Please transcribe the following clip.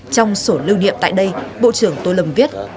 trong sổ lưu niệm tại đây bộ trưởng tô lâm viết